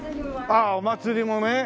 ああお祭りもね。